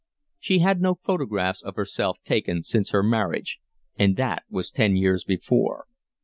She had no photographs of herself taken since her marriage, and that was ten years before.